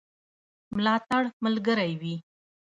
ملاتړ ملګری وي.